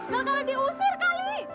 gak ada diusir kali